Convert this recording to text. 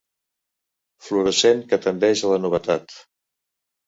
Fluorescent que tendeix a la novetat.